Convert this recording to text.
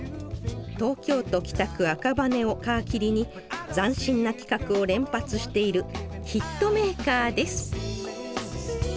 「東京都北区赤羽」を皮切りに斬新な企画を連発しているヒットメーカーです